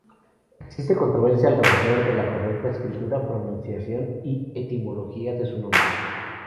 Existe controversia alrededor de la correcta escritura, pronunciación y etimología de su nombre.